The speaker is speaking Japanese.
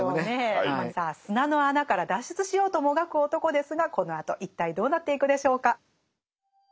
さあ砂の穴から脱出しようともがく男ですがこのあと一体どうなっていくでしょうか。